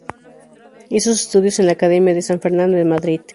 Hizo sus estudios en la Academia de San Fernando, en Madrid.